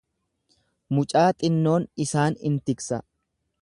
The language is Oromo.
Mucaa xinnoon isaan in tiksa.